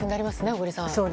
小栗さん。